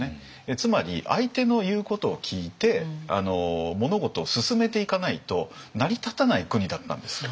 つまり相手の言うことを聞いて物事を進めていかないと成り立たない国だったんですよ。